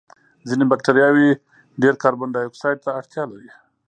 ځینې بکټریاوې ډېر کاربن دای اکسایډ ته اړتیا لري.